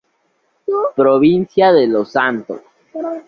Provincia de Los Santos